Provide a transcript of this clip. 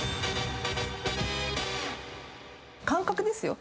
感覚ですよ。